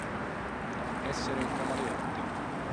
Essere un camaleonte.